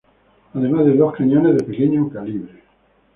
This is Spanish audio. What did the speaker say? Además de dos cañones de pequeño calibre.